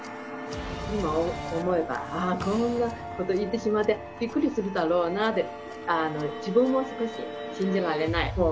今思えばあこんなこと言ってしまってびっくりするだろうなって自分も少し信じられない。